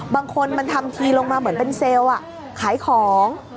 บางคนมันทำทีลงมาเหมือนเป็นเซลล์ขายของ